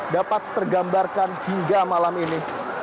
dapat tergambarkan hingga malam ini